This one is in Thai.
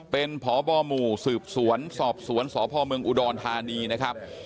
เป็นพบหมู่สืบสวนสอบสวนสพเมืองอุดรธานีนะครับ